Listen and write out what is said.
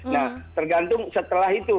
nah tergantung setelah itu